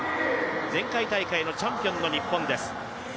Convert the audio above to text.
前回大会のチャンピオンの日本です。